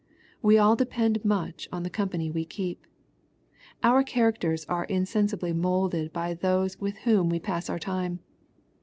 We all depend much on the com pany we keep. Our characters are insensibly moulded by those with whom we pass our time.